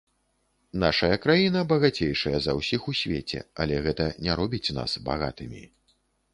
Нашая краіна багацейшая за ўсіх у свеце, але гэта не робіць нас багатымі.